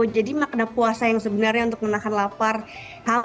jadi makna puasa yang sebenarnya untuk menahan lapar haus dan berantakan